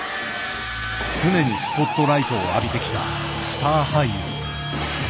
常にスポットライトを浴びてきたスター俳優。